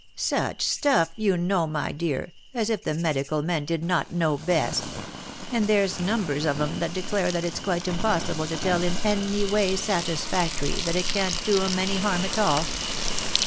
Such stuff, you know, my dear, as if the medical men did not know best; and there's numbers of 'em that declare that it's quite impossible to tell in any way satisfactory that it can do 'em any harm at all.